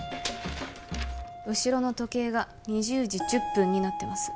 後ろの時計が２０時１０分になってます